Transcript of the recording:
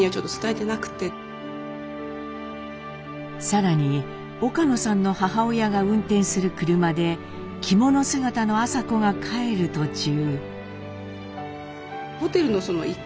更に岡野さんの母親が運転する車で着物姿の麻子が帰る途中。